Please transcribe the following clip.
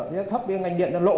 giá thấp với ngành điện là lỗ